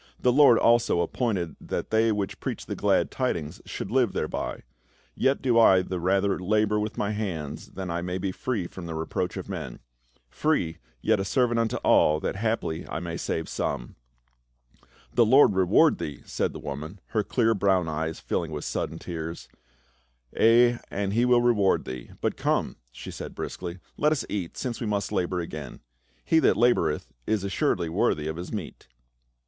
" The Lord also appointed that they which preach the glad tidings should live thereby ; yet do I the rather labor with my hands that I may be free from the reproach of men — free, yet a servant unto all, that haply I may save some." "The Lord reward thee!" said the woman, her clear brown eyes filling with sudden tears. " Ay, and he will reward thee. But come," she added briskly, " let us eat, since we must again labor ; he that labor eth is assuredly worthy of his meat."